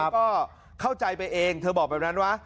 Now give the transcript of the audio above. ก็เข้าใจไปเองเธอบอกแบบนั้นวะ